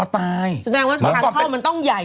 แสดงว่าทางเข้ามันต้องใหญ่